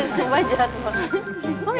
sumpah jahat banget